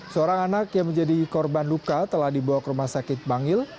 seorang anak yang menjadi korban luka telah dibawa ke rumah sakit bangil